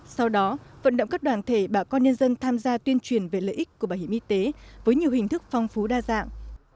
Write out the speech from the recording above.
sau đó vận động các đoàn thể bà con nhân dân tham gia tuyên truyền về lợi ích của bảo hiểm y tế với nhiều hình thức phong phú đa dạng